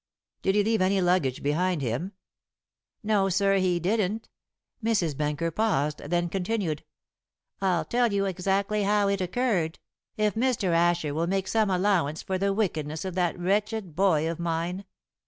"Did he leave any luggage behind him?" "No, sir, he didn't." Mrs. Benker paused, then continued, "I'll tell you exactly how it occurred, if Mr. Asher will make some allowance for the wickedness of that wretched boy of mine."